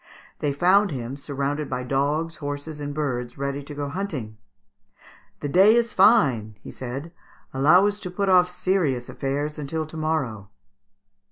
They found him, surrounded by dogs, horses, and birds, ready to go hunting. "The day is fine," he said; "allow us to put off serious affairs until to morrow."